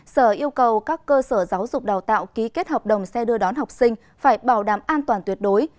sở yêu cầu các cơ sở giáo dục đào tạo ký kết hợp đồng xe đưa đón học sinh phải bảo đảm an toàn tuyệt đối